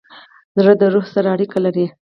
زړه د روح سره اړیکه لري.